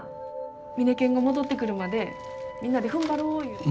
ミネケンが戻ってくるまでみんなでふんばろういうて。